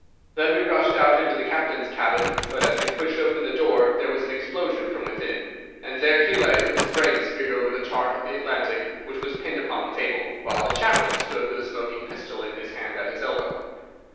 Then we rushed on into the captain's cabin, but as we pushed open the door there was an explosion from within, and there he lay with his brains smeared over the chart of the Atlantic which was pinned upon the table, while the chaplain stood with a smoking pistol in his hand at his elbow.